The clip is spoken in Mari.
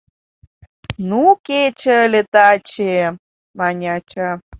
— Ну, кече ыле таче! — мане ача.